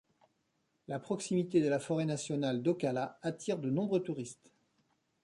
La proximité de la forêt nationale d’Ocala attire de nombreux touristes.